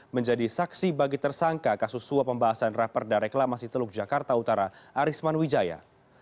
menjadi saksi bagi tersangka kasus suap pembahasan raperda reklamasi teluk jakarta utara arisman wijaya